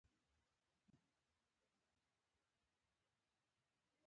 زېړو اوږدو وېښتانو به يې مخ پټ کړ.